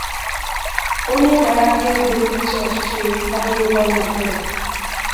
ónyé gbara akaebe na ịchị ọchịchị adịghịkwanụ oferè